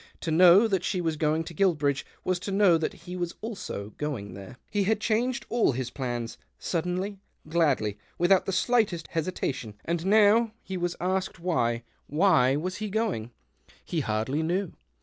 To know that she was going to Guilbridge was to know that he also was going there. He had changed all his plans, suddenly, gladly, without the slightest hesitation, and now he THE OCTAVE OF CLAUDIUS. 1G5 was asked why, why was he going ? He hardly knew.